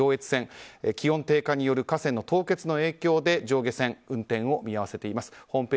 水上越後湯沢間の上下線気温低下による河川凍結の影響で上下線、運転を見合わせています。